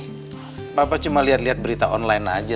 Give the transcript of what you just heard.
eh papa cuma liat liat berita online aja